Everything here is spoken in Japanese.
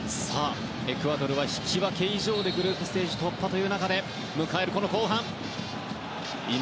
エクアドルは引き分け以上でグループステージ突破という中迎える後半。